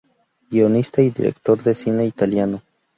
Guionista y director de cine italiano.